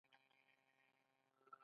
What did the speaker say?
بیل ګېټس وایي د سبا لپاره له پرون ووځئ.